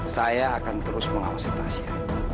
saya akan terus mengawasi pasien